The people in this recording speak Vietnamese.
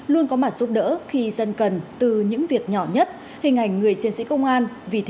luôn có mặt giúp đỡ khi dân cần từ những việc nhỏ nhất hình ảnh người chiến sĩ công an